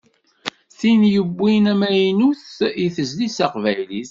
D tin i d-yewwin amaynut i tezlit taqbaylit.